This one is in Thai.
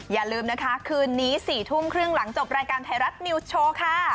อย่าลืมนะคะคืนนี้๔ทุ่มครึ่งหลังจบรายการไทยรัฐนิวส์โชว์ค่ะ